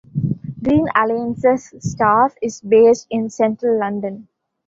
Green Alliance's staff is based in central London.